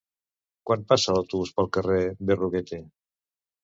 Quan passa l'autobús pel carrer Berruguete?